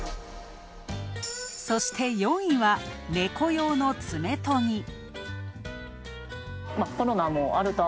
そして４位は、猫用の爪とぎ。